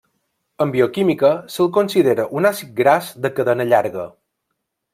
En bioquímica se'l considera un àcid gras de cadena llarga.